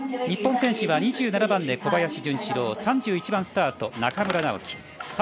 日本選手は２７番で小林潤志郎３１番スタート、中村直幹。